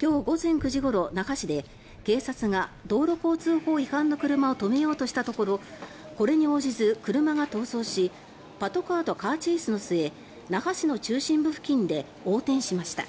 今日午前９時ごろ、那覇市で警察が道路交通法違反の車を止めようとしたところこれに応じず車が逃走しパトカーとカーチェイスの末那覇市の中心部付近で横転しました。